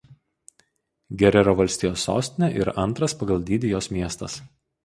Gerero valstijos sostinė ir antras pagal dydį jos miestas.